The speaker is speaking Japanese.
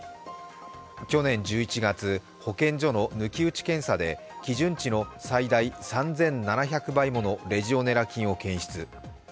去年１１月、保健所の抜き打ち検査で基準値の最大３７００倍ものレジオネラ菌を検出。